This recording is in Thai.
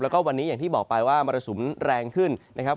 แล้วก็วันนี้อย่างที่บอกไปว่ามรสุมแรงขึ้นนะครับ